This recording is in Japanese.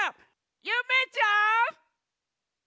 ゆめちゃん！